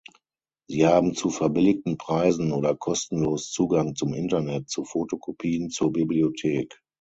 Sie haben zu verbilligten Preisen oder kostenlos Zugang zum Internet, zu Fotokopien, zur Bibliothek.